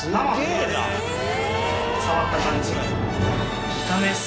触った感じ。